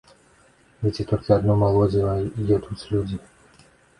Ды ці толькі адно малодзіва й ядуць людзі?